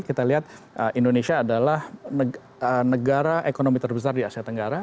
kita lihat indonesia adalah negara ekonomi terbesar di asia tenggara